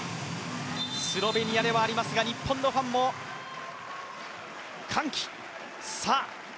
スロベニアではありますが日本のファンも歓喜！